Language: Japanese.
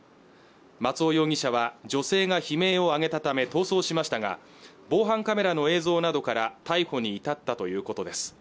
松尾容疑者は女性が悲鳴を上げたため逃走しましたが防犯カメラの映像などから逮捕に至ったということです